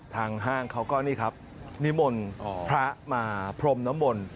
ห้างเขาก็นี่ครับนิมนต์พระมาพรมน้ำมนต์